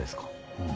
うん。